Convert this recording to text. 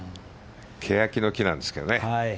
ケヤキの木なんですけどね。